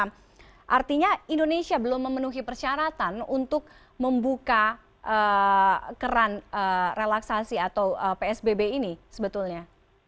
artinya indonesia belum memenuhi persyaratan untuk membuka keran relaksasi atau psbb ini sebetulnya